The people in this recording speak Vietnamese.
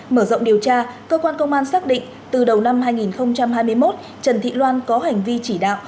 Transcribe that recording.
mở rộng điều tra cơ quan công an xác định từ đầu năm hai nghìn hai mươi một trần thị loan có hành vi chỉ đạo